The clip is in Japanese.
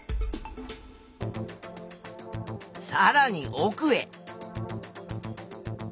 さらに奥へ。